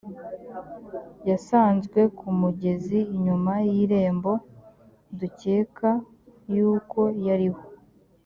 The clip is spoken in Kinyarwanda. yasanzwe ku mugezi inyuma y irembo dukeka yuko hariho